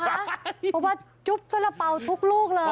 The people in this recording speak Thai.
เพราะว่าจุ๊บสระเป๋าทุกลูกเลย